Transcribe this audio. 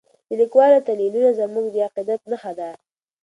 د لیکوالو تلینونه زموږ د عقیدت نښه ده.